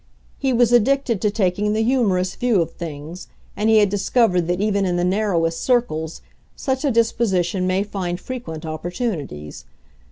He was addicted to taking the humorous view of things, and he had discovered that even in the narrowest circles such a disposition may find frequent opportunities.